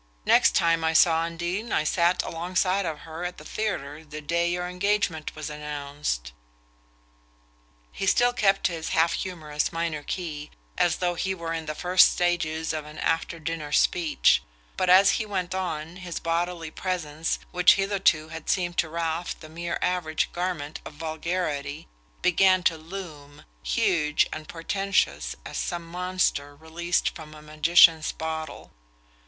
Next time I saw Undine I sat alongside of her at the theatre the day your engagement was announced." He still kept to his half humorous minor key, as though he were in the first stages of an after dinner speech; but as he went on his bodily presence, which hitherto had seemed to Ralph the mere average garment of vulgarity, began to loom, huge and portentous as some monster released from a magician's bottle.